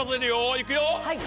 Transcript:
いくよ。